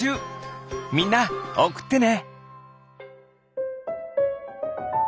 みんなおくってね！